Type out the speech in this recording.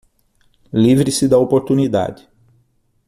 Livre-se da oportunidade